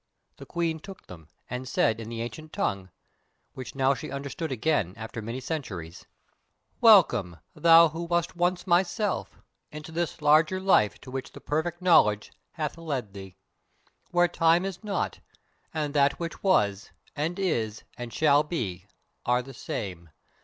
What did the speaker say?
The Queen took them, and said in the Ancient Tongue, which now she understood again after many centuries: "Welcome, thou who wast once myself, into this larger life to which the Perfect Knowledge hath led thee: where Time is not, and that which was, and is, and shall be are the same!